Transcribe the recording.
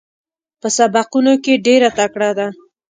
په سبقونو کې ډېره تکړه ده.